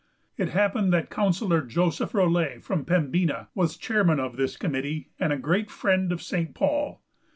It happened that Councillor Joseph Rolette, from Pembina, was chairman of this committee, and a great friend of St. Paul.